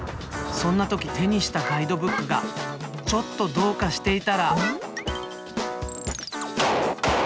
そんな時手にしたガイドブックがちょっとどうかしていたら。